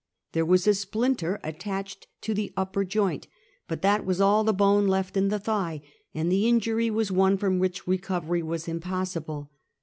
There was a splinter attached to the upper joint, but that was all the bone left in the thigh, and the injury was one from which recovery was impossible.